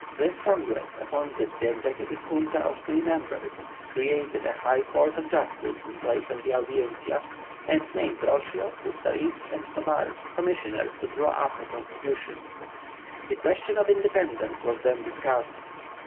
This Congress appointed an Executive Junta of three members, created a High Court of Justice in place of the Audiencia; and named Roscio, Ustariz, and Tobar commissioners to draw up a Constitution. The question of independence was then discussed.